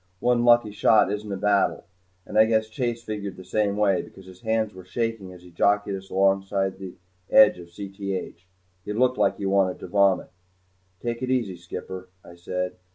One lucky shot isn't a battle, and I guess Chase figured the same way because his hands were shaking as he jockeyed us along on the edge of Cth. He looked like he wanted to vomit. "Take it easy, skipper," I said.